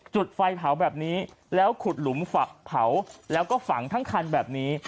จุดไฟเผาแบบนี้แล้วขุดหลุมเผาแล้วก็ฝังทั้งคันแบบนี้